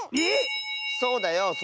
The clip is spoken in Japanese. え⁉そうだよ。